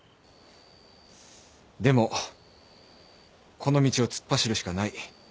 でもこの道を突っ走るしかない。